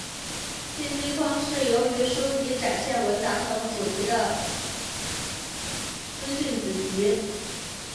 信息框是由于收集展现文档等主题的资讯子集。